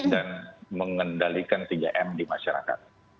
dan mengendalikan tiga m di masyarakat